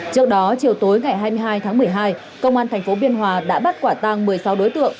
trước đó chiều tối ngày hai mươi hai tháng một mươi hai công an tp biên hòa đã bắt quả tang một mươi sáu đối tượng